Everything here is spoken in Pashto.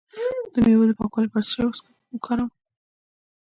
د میوو د پاکوالي لپاره باید څه شی وکاروم؟